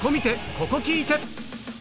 ここ聴いて！